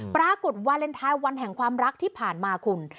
วาเลนไทยวันแห่งความรักที่ผ่านมาคุณ